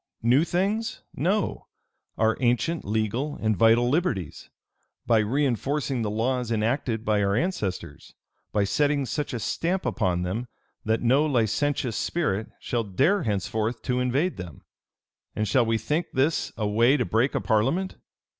New things? No: our ancient, legal, and vital liberties; by reënforcing the laws enacted by our ancestors; by setting such a stamp upon them, that no licentious spirit shall dare henceforth to invade them. And shall we think this a way to break a parliament?